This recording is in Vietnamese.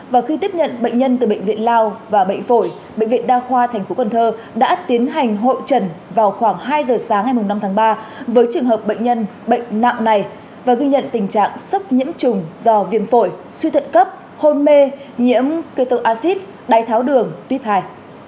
và khi tiếp nhận bệnh nhân từ bệnh viện lao và bệnh phổi bệnh viện đa khoa tp cn đã tiến hành hội trần vào khoảng hai giờ sáng ngày năm tháng ba với trường hợp bệnh nhân bệnh nặng này và ghi nhận tình trạng sốc nhiễm trùng do viêm phổi suy thận cấp hôn mê nhiễm keto acid đáy tháo đường tuyếp hai